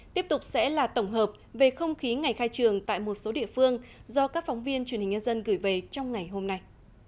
tiếp tục sẽ là tổng hợp về không khí ngày khai trường tại một số địa phương do các phóng viên truyền hình nhân dân gửi về trong ngày hôm nay